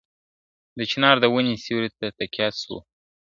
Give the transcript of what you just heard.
د چنار د وني سیوري ته تکیه سو ,